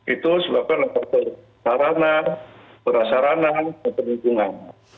itu sebabnya faktor sarana berasarana dan peninggungan